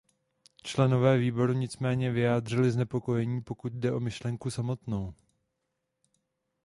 Členové Výboru nicméně vyjádřili znepokojení, pokud jde o myšlenku samotnou.